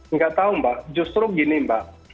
nggak tahu mbak justru gini mbak